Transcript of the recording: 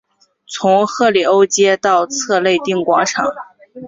从赫里欧街到策肋定广场。